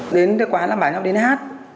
đến quán là bảo nhau đến hát